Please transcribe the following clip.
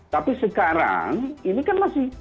tapi sekarang ini kan masih